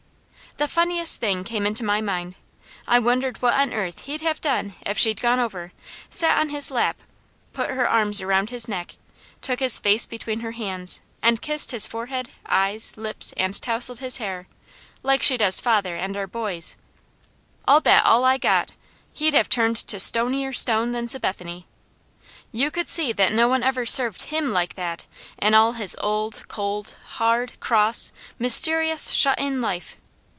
The funniest thing came into my mind. I wondered what on earth he'd have done if she'd gone over, sat on his lap, put her arms around his neck, took his face between her hands and kissed his forehead, eyes, lips, and tousled his hair, like she does father and our boys. I'll bet all I got, he'd have turned to stonier stone than Sabethany. You could see that no one ever served HIM like that in all his old, cold, hard, cross, mysterious, shut in life.